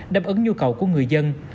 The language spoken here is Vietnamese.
đáp ứng nhu cầu của người dân